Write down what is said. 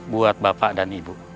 buat bapak dan ibu